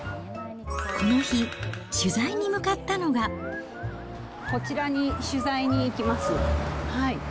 この日、こちらに取材に行きます。